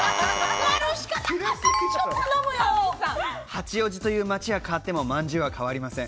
八王子という町は変わっても、まんじゅうは変わりません。